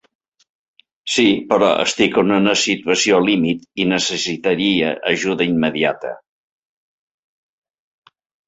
Sí, però estic en una situació limit i necessitaria ajuda immediata.